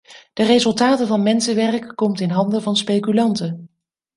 De resultaten van mensenwerk komt in handen van speculanten.